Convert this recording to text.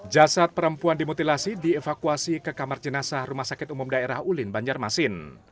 jasad perempuan dimutilasi dievakuasi ke kamar jenazah rumah sakit umum daerah ulin banjarmasin